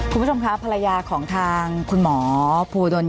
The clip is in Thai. คุณผู้ชมครับภรรยาของทางคุณหมอภูดล